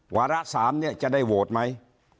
วาระ๓จะได้โหวตไหม